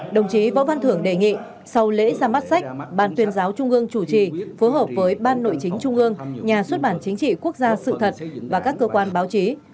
đồng chí võ văn thưởng đề nghị sau lễ ra mắt sách ban tuyên giáo trung ương chủ trì phối hợp với ban nội chính trung ương nhà xuất bản chính trị quốc gia sự thật và các cơ quan báo chí